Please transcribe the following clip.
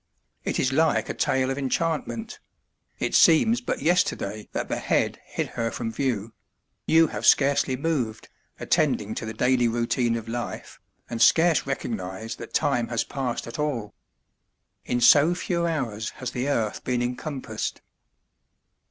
It is like a tale of enchantment; it seems but yesterday that the Head hid her from view; you have scarcely moved, attending to the daily routine of life, and scarce recognise that time has passed at all. In so few hours has the earth been encompassed.